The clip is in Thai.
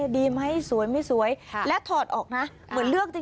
ดีไหมสวยไม่สวยและถอดออกนะเหมือนเลือกจริง